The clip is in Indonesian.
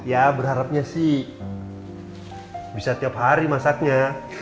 ya berharapnya sih bisa tiap hari masaknya